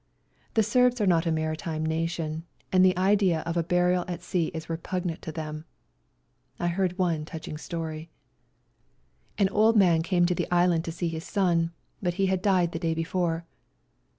The Serbs are not a maritime nation, and the idea of a burial at sea is repugnant to them. I heard one touching story. An WE GO TO CORFU 207 old man came to the island to see his son, but he had died the day before.